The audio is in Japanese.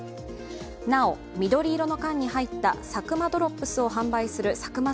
なお、緑色の缶に入ったサクマドロップスを販売するサクマ